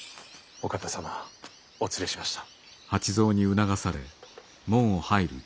・お方様お連れしました。